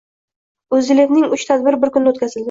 OʼzLiDePning uch tadbiri bir kunda o‘tkazildi